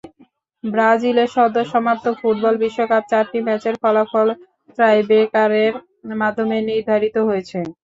ব্রাজিলে সদ্য সমাপ্ত ফুটবল বিশ্বকাপে চারটি ম্যাচের ফলাফল টাইব্রেকারের মাধ্যমে নির্ধারিত হয়েছে।